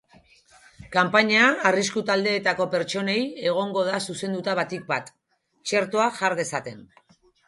Kanpaina arrisku taldeetako pertsonei egongo da zuzenduta batik bat, txertoa jar dezaten.